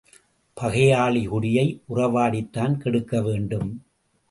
பகையாளி குடியை உறவாடித்தான் கெடுக்க வேண்டும்.